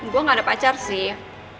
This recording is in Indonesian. gue gak ada pacar sih